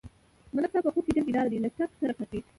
ملک صاحب په خوب کې ډېر بیداره دی، له ټک سره پا څېږي.